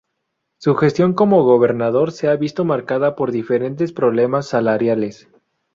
Su gestión como gobernador se ha visto marcada por diferentes problemas salariales.